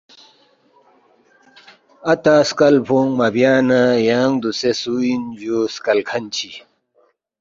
اَتا سکلفونگ مہ بیانا یانگ دوسے سو ان جو سکل کھن چی